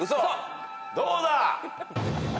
どうだ？